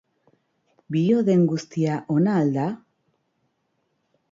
Bio den guztia ona al da?